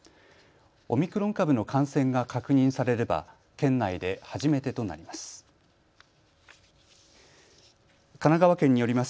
オミクロン株の感染が確認されれば県内で初めてとなります。